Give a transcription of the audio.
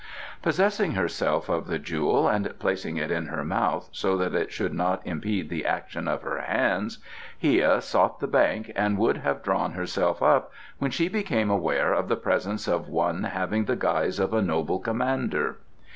Possessing herself of the jewel and placing it in her mouth, so that it should not impede the action of her hands, Hia sought the bank and would have drawn herself up when she became aware of the presence of one having the guise of a noble commander.